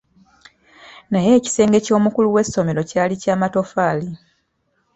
Naye ekisenge ky'omukulu w'essomero kyali kya matoffaali.